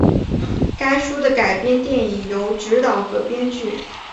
该书的改编电影由执导和编剧。